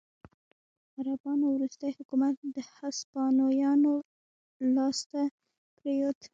عربانو وروستی حکومت د هسپانویانو لاسته پرېوت.